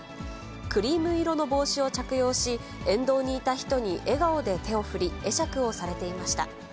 クリーム色の帽子を着用し、沿道にいた人に笑顔で手を振り、会釈をされていました。